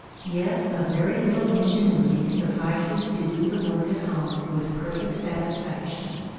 Yet a very little ingenuity suffices to do the work at home with perfect satisfaction.